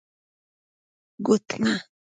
💍 ګوتمه